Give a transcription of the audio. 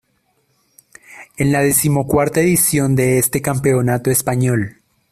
Es la decimocuarta edición de este campeonato español.